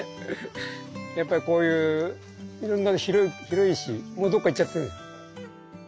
やっぱりこういう広いしもうどっか行っちゃってる。